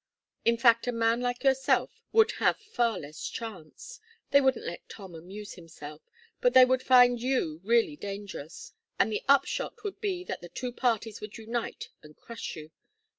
In fact a man like yourself would have far less chance. They would let Tom amuse himself, but they would find you really dangerous, and the upshot would be that the two parties would unite and crush you.